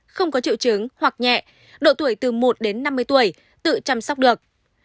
không có triệu chứng hoặc nhẹ độ tuổi từ một đến năm mươi tuổi tự chăm sóc được